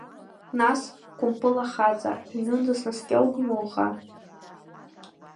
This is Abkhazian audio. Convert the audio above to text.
Нас, Кәымпыл ахаҵа, аҩнынӡа снаскьоугоума уаха?